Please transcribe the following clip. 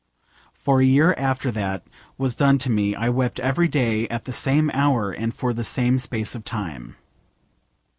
For a year after that was done to me I wept every day at the same hour and for the same space of time.